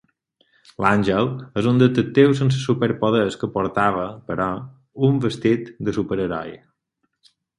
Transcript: L'Àngel és un detectiu sense superpoders que portava, però, un vestit de superheroi.